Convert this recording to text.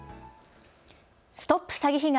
ＳＴＯＰ詐欺被害！